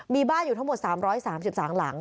มีบ้านอยู่ทั้งหมด๓๓หลัง